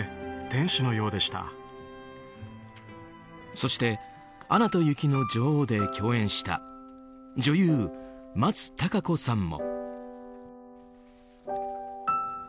そして「アナと雪の女王」で共演した女優・松たか子さんも。